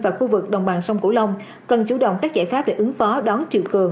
và khu vực đồng bằng sông cửu long cần chủ động các giải pháp để ứng phó đón triều cường